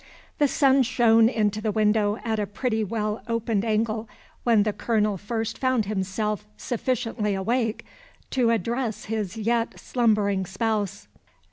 The sun shone into the window at a pretty well opened angle when the Colonel first found himself sufficiently awake to address his yet slumbering spouse.